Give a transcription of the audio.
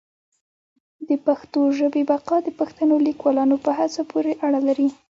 د پښتو ژبي بقا د پښتنو لیکوالانو په هڅو پوري اړه لري.